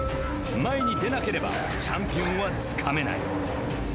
前に出なければチャンピオンはつかめない。